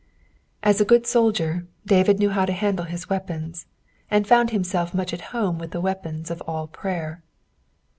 As a good soldier, Bavid knew how to handle his weapons, and found himself much at home with the weapon of "all prayer."